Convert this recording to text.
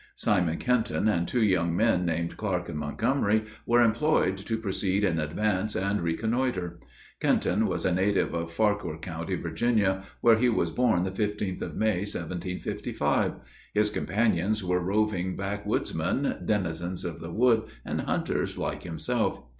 Simon Kenton and two young men, named Clark and Montgomery, were employed to proceed in advance, and reconnoiter. Kenton was a native of Fauquier county, Virginia, where he was born the fifteenth of May, 1755; his companions were roving backwoodsmen, denizens of the wood, and hunters like himself.